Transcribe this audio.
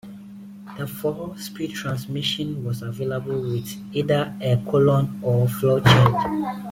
The four-speed transmission was available with either a column or floor change.